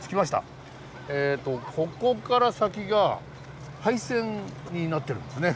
ここから先が廃線になってるんですね。